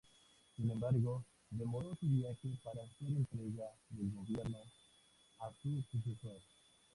Sin embargo, demoró su viaje para hacer entrega del gobierno a su sucesor.